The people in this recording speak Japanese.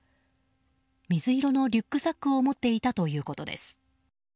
水色のリュックサックを持っていたということです。